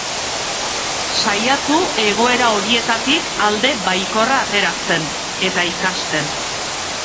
Saiatu egoera horietatik alde baikorra ateratzen, eta ikasten.